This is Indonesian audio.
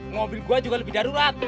mobil gue juga lebih darurat